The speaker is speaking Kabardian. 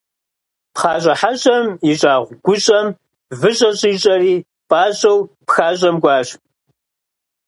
Пхъащӏэ хьэщӏэм ищӏа гущӏэм выщӏэ щӏищӏэри, пӏащӏэу пхащӏэм кӏуащ.